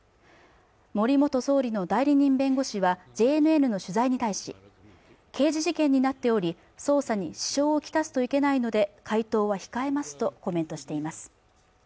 森元総理の代理人弁護士はＪＮＮの取材に対し刑事事件になっており捜査に支障をきたすといけないので回答は控えますとコメントしています